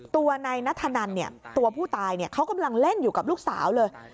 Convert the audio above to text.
ตัวนายนัทธนันตัวผู้ตายเขากำลังเล่นอยู่กับลูกสาวเลย